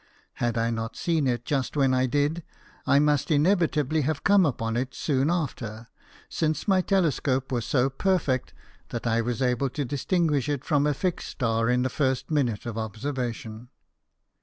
Had I not seen it just when I did, I must inevi tably have come upon it soon after, since my telescope was so perfect that I was able to dis tinguish it from a fixed star in the first minute of observation."